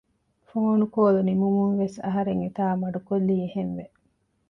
ފޯނުކޯލު ނިމުމުން ވެސް އަހަރެން އެތާ މަޑުކޮއްލީ އެހެނެްވެ